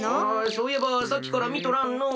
そういえばさっきからみとらんのう。